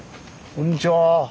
こんにちは。